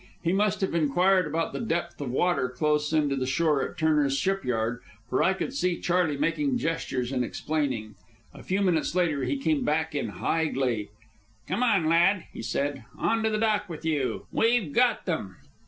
He must have inquired about the depth of water close in to the shore at Turner's Shipyard, for I could see Charley making gestures and explaining. A few minutes later he came back in high glee. "Come on, lad," he said. "On to the dock with you. We've got them!"